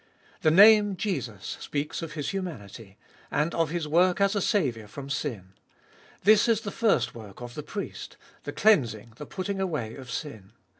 The name Jesus speaks of His humanity, and of His work as a Saviour from sin. This is the first work of the priest — the cleansing, the putting away of sin.